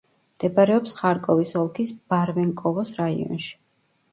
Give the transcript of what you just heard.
მდებარეობს ხარკოვის ოლქის ბარვენკოვოს რაიონში.